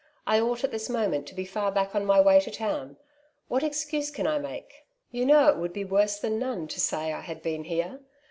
I ought at this moment to be far back on my way to town. What excuse can I make ? You know it would be worse than none to say I had been here.